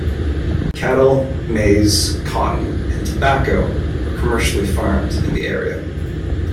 Cattle, maize, cotton and tobacco are commercially farmed in the area.